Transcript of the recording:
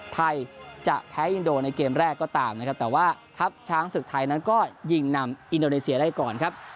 ไทยจะแพ้อินโดในเกมแรกก็ตามนะครับแต่ว่าทัพช้างศึกไทยนั้นก็ยิงนำอินโดนีเซียได้ก่อนครับ